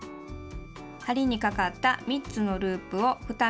針にかかった３つのループを２目引き抜きます。